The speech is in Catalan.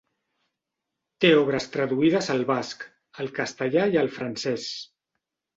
Té obres traduïdes al basc, al castellà i al francès.